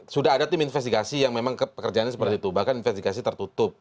sudah ada tim investigasi yang memang pekerjaannya seperti itu bahkan investigasi tertutup